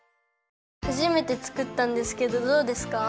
はじめてつくったんですけどどうですか？